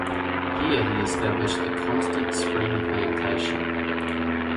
Here he established the Constant Spring plantation.